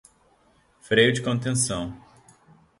Freio de contenção